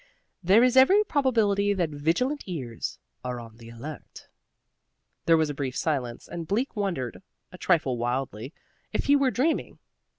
There is every probability that vigilant ears are on the alert." There was a brief silence, and Bleak wondered (a trifle wildly) if he were dreaming.